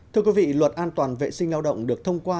thưa quý vị luật an toàn vệ sinh lao động được thông qua